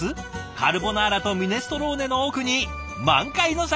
カルボナーラとミネストローネの奥に満開の桜。